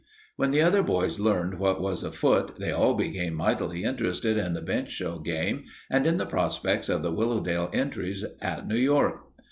When the other boys learned what was afoot they all became mightily interested in the bench show game and in the prospects of the Willowdale entries at New York.